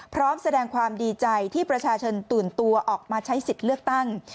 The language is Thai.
พร้อมแสดงความดีใจที่ประชาชนตื่นตัวออกมาใช้สิทธิ์เลือกตั้ง